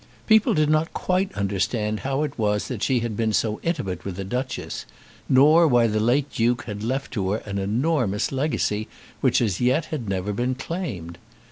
People did not quite understand how it was that she had been so intimate with the Duchess, nor why the late Duke had left to her an enormous legacy, which as yet had never been claimed.